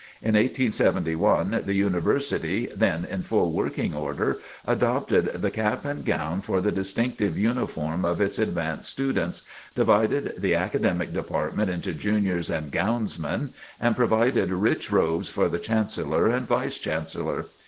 In 1871, the University, then in full working order, adopted the cap and gown for the distinctive uniform of its advanced students, divided the Academic Department into Juniors and Gownsmen, and provided rich robes for the Chancellor and Vice Chancellor.